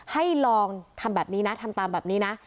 ให้ลองทำแบบนี้นะทำตามแบบนี้นะ